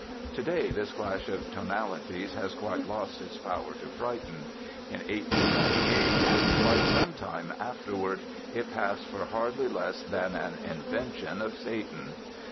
Today this clash of tonalities has quite lost its power to frighten. In 1898 and for quite some time thereafter, it passed for hardly less than an invention of Satan!